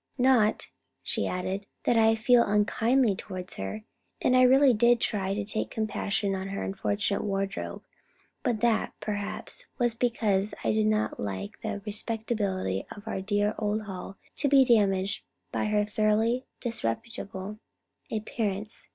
Not," she added, "that I feel unkindly towards her, and I really did try to take compassion on her unfortunate wardrobe; but that, perhaps, was because I did not like the respectability of our dear old hall to be damaged by her thoroughly disreputable appearance.